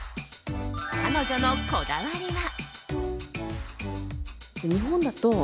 彼女のこだわりは？